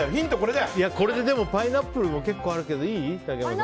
これでパイナップルも結構あるけどいい？